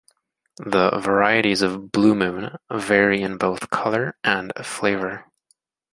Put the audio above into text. The varieties of Blue Moon vary in both color and flavor.